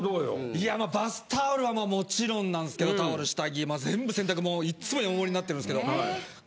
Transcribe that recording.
いやまあバスタオルはもちろんなんすけどタオル下着まあ全部洗濯物いっつも山盛りになってるんですけど。